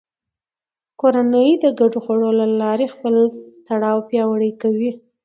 کورنۍ د ګډو خوړو له لارې خپل تړاو پیاوړی کوي